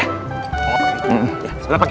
sebentar pak yae